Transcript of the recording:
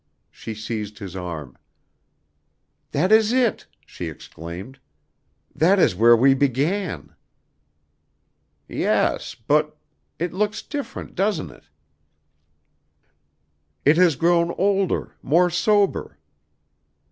She seized his arm. "That is it," she exclaimed. "That is where we began!" "Yes, but it looks different, doesn't it?" "It has grown older more sober."